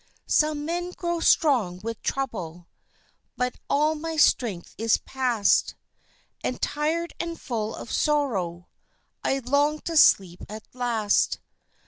Some men grow strong with trouble, But all my strength is past, And tired and full of sorrow, I long to sleep at last.